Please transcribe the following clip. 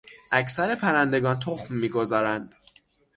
اکثر پرندگان تخم میگذارند.